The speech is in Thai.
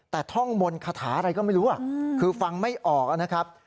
แต่ท่องมนต์คาถาอะไรก็ไม่รู้คือฟังไม่ออกนะครับ